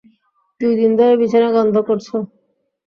দুইদিন ধরে বিছানা গন্ধ করছো।